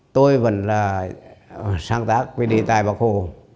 tôi vẫn là sáng tác về đề tài bác hồ